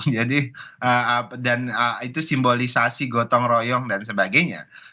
jadi dan itu simbolisasi gotong royong dan sebagainya